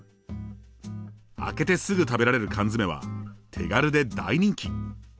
開けてすぐ食べられる缶詰は手軽で大人気。